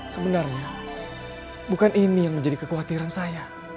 sebenarnya bukan ini yang menjadi kekhawatiran saya